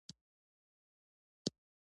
دونۍ